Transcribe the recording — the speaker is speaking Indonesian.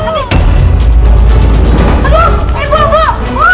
lu yang terlalu war ya sama gua ya